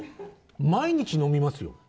毎日飲みますよ。